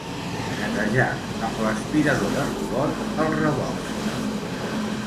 Netejar amb l'aspiradora robot el rebost.